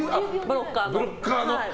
ブロッカーの。